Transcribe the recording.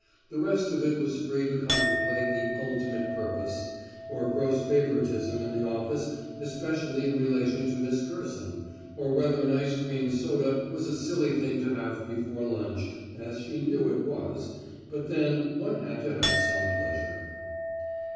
The rest of it was free to contemplate the Ultimate Purpose, or gross favoritism in the office especially in relation to Miss Gerson, or whether an ice cream soda was a silly thing to have before lunch, as she knew it was, but then one had to have some pleasure.